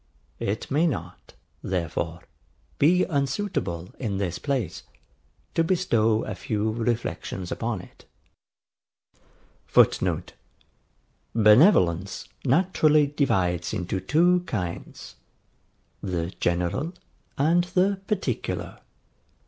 It may not, therefore, be unsuitable, in this place, to bestow a few reflections upon it. [Footnote: Benevolence naturally divides into two kinds, the GENERAL and the PARTICULAR.